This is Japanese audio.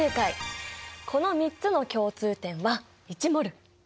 この３つの共通点は１ｍｏｌ。